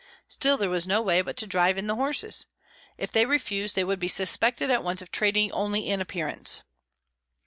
Still there was no way but to drive in the horses. If they refused, they would be suspected at once of trading only in appearance.